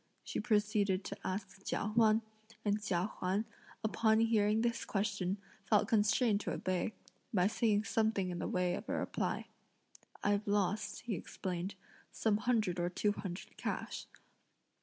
she proceeded to ask Chia Huan; and Chia Huan, upon hearing this question, felt constrained to obey, by saying something in the way of a reply. "I've lost," he explained, "some hundred or two hundred cash."